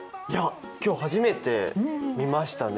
今日初めて見ましたね。